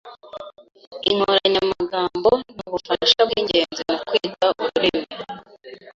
Inkoranyamagambo nubufasha bwingenzi mukwiga ururimi.